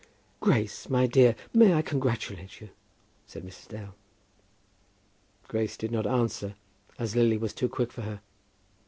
"Grace, my dear, may I congratulate you?" said Mrs. Dale. Grace did not answer, as Lily was too quick for her.